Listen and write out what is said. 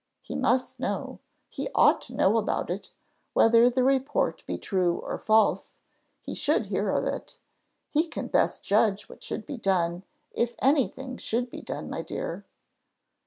He must know, he ought to know about it: whether the report be true or false, he should hear of it. He can best judge what should be done, if any thing should be done, my dear."